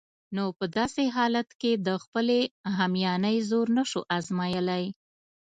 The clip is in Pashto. نو په داسې حالت کې د خپلې همیانۍ زور نشو آزمایلای.